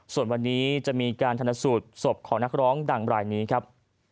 ส่วนวันนี้จะมีการทันสูตรศพของนักร้องดังรายนี้ครับ